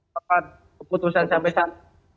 kapan keputusan sampai saat